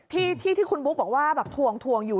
ที่ที่คุณบุ๊คบอกว่าแบบถวงถวงอยู่